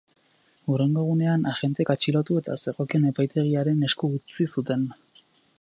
Hurrengo egunean, agenteek atxilotu eta zegokion epaitegiaren esku utzi zuten.